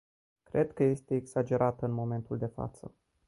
Cred că este exagerată în momentul de față.